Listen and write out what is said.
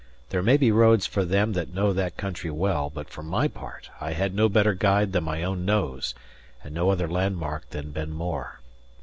There may be roads for them that know that country well; but for my part I had no better guide than my own nose, and no other landmark than Ben More.